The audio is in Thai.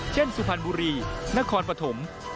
สุพรรณบุรีนครปฐม